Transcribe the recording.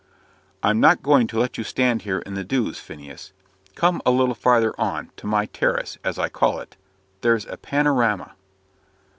"I'm not going to let you stand here in the dews, Phineas. Come a little farther on, to my terrace, as I call it. There's a panorama!"